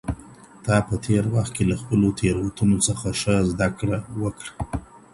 تا په تېر وخت کي له خپلو تېروتنو څخه ښه زده کړه وکړه.